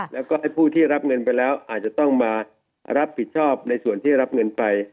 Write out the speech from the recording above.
แล้วก็ผู้ที่รับเงินไปแล้วอาจจะต้องมารับผิดชอบในส่วนที่รับเงินไป